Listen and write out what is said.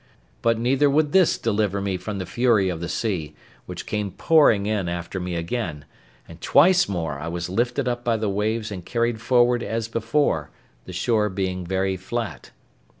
But neither would this deliver me from the fury of the sea, which came pouring in after me again; and twice more I was lifted up by the waves and carried forward as before, the shore being very flat.